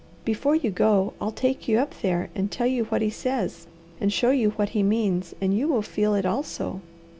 Before you go, I'll take you up there and tell you what he says, and show you what he means, and you will feel it also."